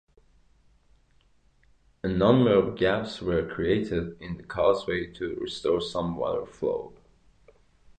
A number of gaps were created in the causeway to restore some water flow.